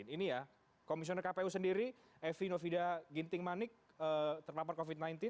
ini ya komisioner kpu sendiri evi novida ginting manik terpapar covid sembilan belas